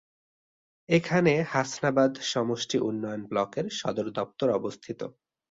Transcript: এখানে হাসনাবাদ সমষ্টি উন্নয়ন ব্লকের সদর দপ্তর অবস্থিত।